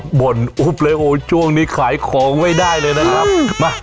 บ่นอุ๊บเลยโอ้ช่วงนี้ขายของไม่ได้เลยนะครับมา